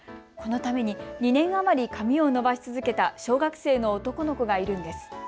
このために２年余り髪を伸ばし続けた小学生の男の子がいるんです。